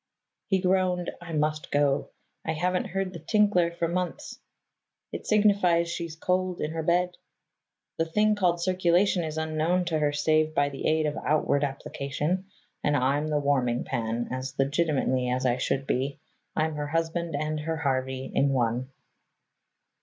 "He groaned, 'I must go. I haven't heard the tinkler for months. It signifies she's cold in her bed. The thing called circulation is unknown to her save by the aid of outward application, and I'm the warming pan, as legitimately as I should be, I'm her husband and her Harvey in one.'"